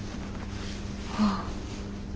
ああ。